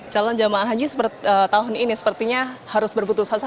calon jemaah haji tahun ini sepertinya harus berputus